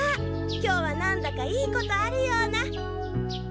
今日は何だかいいことあるような。